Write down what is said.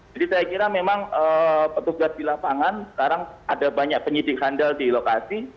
jadi saya kira memang petugas di lapangan sekarang ada banyak penyidik handal di lokasi